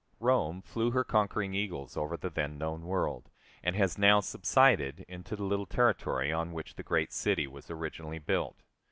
Rome flew her conquering eagles over the then known world, and has now subsided into the little territory on which the great city was originally built.